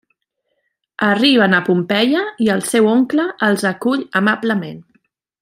Arriben a Pompeia i el seu oncle els acull amablement.